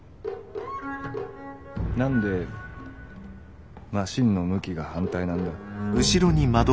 何でマシンの向きが反対なんだ？